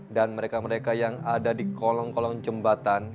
dan mereka mereka yang ada di kolong kolong jembatan